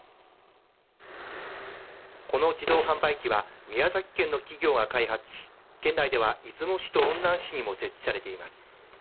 この自動販売機は宮崎県の企業が開発し県内では出雲市と雲南市にも設置されています。